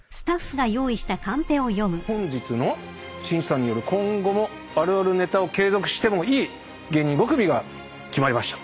本日の審査により今後もあるあるネタを継続してもいい芸人５組が決まりました。